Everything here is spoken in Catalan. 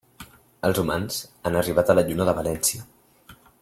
Els humans han arribat a la Lluna de València.